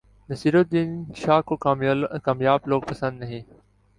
نصیرالدین شاہ کو کامیاب لوگ پسند نہیں